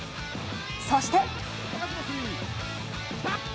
そして。